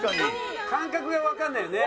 感覚がわかんないよね。